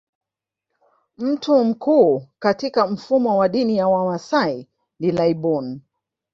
Mtu mkuu katika mfumo wa dini ya Wamasai ni laibon